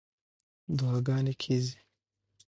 دعاګانې کېږي.